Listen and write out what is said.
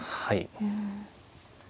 はい。